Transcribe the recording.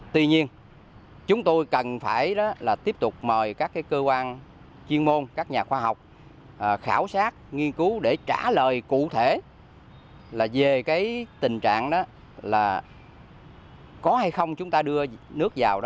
tuy nhiên chúng tôi cần phải tiếp tục mời các cơ quan chuyên môn các nhà khoa học khảo sát nghiên cứu để trả lời cụ thể về tình trạng có hay không chúng ta đưa nước vào